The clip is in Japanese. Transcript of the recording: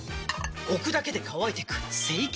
置くだけで乾いてく清潔